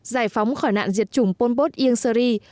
giải phóng khỏi nạn diệt chủng pol pot yen seri